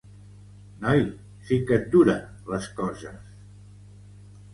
—Noi, si que et duren les coses…